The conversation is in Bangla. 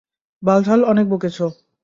বাল-ছাল অনেক বকেছ।